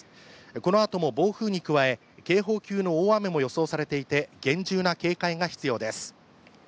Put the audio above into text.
このあとも暴風に加え警報級の大雨も予想されていて厳重な警戒が必要です。